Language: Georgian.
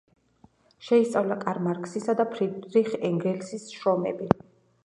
შეისწავლა კარლ მარქსისა და ფრიდრიხ ენგელსის შრომები.